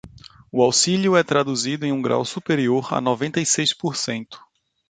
O auxílio é traduzido em um grau superior a noventa e seis por cento.